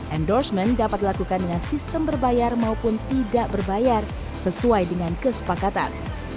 endorsement dapat dilakukan dengan sistem berbayar maupun tidak berbayar sesuai dengan kesepakatan